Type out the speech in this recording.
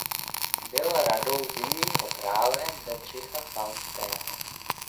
Byl radou zimního krále Bedřicha Falckého.